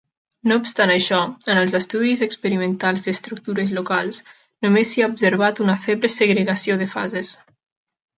No obstant això, en els estudis experimentals d'estructures locals només s'hi ha observat una feble segregació de fases.